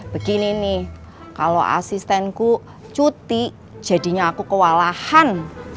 begini nih kalau asistenku cuti jadinya aku kewalahan